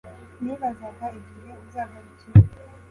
nibazaga igihe uzagarukira